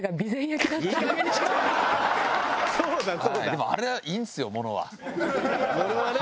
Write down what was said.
でもあれはいいんですよ物は。